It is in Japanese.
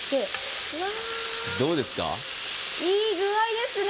いい具合ですね。